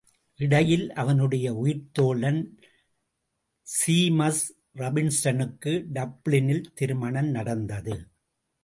இடையில், அவனுடைய உயிர்த்தோழன் ஸீமஸ் ராபின்ஸனுக்கு டப்ளினில் திருமணம் நடந்தது.